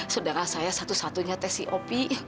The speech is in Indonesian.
saudara saya satu satunya teh si opi